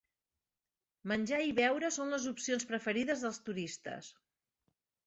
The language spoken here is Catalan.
Menjar i beure són les opcions preferides dels turistes.